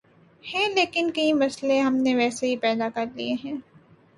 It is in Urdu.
ہی لیکن کئی مسئلے ہم نے ویسے ہی پیدا کر لئے ہیں۔